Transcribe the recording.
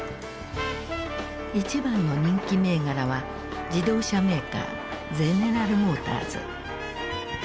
一番の人気銘柄は自動車メーカーゼネラル・モーターズ。